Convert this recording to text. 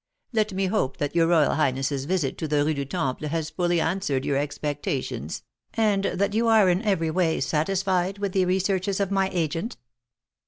Let me hope that your royal highness's visit to the Rue du Temple has fully answered your expectations, and that you are in every way satisfied with the researches of my agent?"